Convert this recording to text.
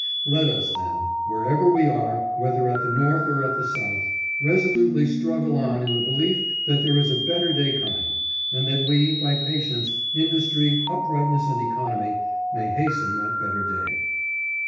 Let us, then, wherever we arev whether at the North or at the South, resolutely struggle on in the belief that there is a better day coming, and that we, by patience, industry, uprightness, and economy may hasten that better day.